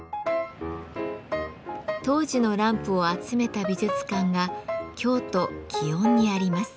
当時のランプを集めた美術館が京都・園にあります。